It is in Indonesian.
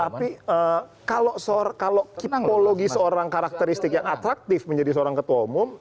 tapi kalau kipologi seorang karakteristik yang atraktif menjadi seorang ketua umum